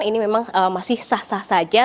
ini memang masih sah sah saja